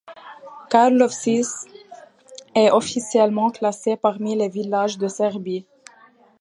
Karlovčić est officiellement classé parmi les villages de Serbie.